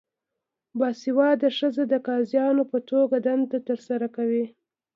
باسواده ښځې د قاضیانو په توګه دنده ترسره کوي.